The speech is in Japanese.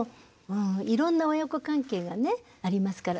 いろんな親子関係がねありますから。